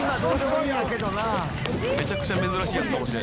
「めちゃくちゃ珍しいやつかもしれん」